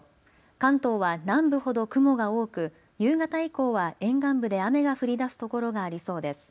関東は南部ほど雲が多く夕方以降は沿岸部で雨が降りだすところがありそうです。